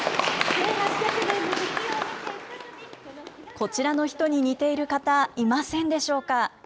こちらの人に似ている方、いませんでしょうか？